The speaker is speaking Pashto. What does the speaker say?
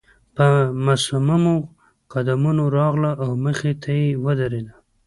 په مصممو قدمونو راغله او مخې ته يې ودرېده.